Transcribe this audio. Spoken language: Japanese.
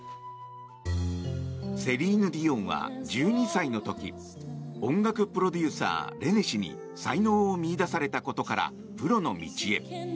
セリーヌ・ディオンは１２歳の時音楽プロデューサー、レネ氏に才能を見いだされたことからプロの道へ。